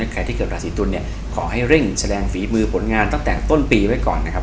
ใครที่เกิดราศีตุลเนี่ยขอให้เร่งแสดงฝีมือผลงานตั้งแต่ต้นปีไว้ก่อนนะครับ